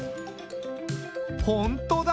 本当だ。